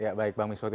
ya baik bang miswati